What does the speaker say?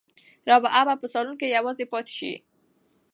رابعه به په صالون کې یوازې پاتې شي.